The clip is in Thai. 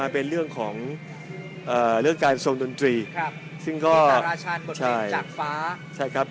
เป็นเรื่องของเอ่อเรื่องการทรงดนตรีครับซึ่งก็ใช่จากฟ้าใช่ครับ